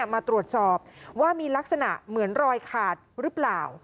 มาตรวจสอบว่ามีลักษณะเหมือนรอยขาดหรือเปล่า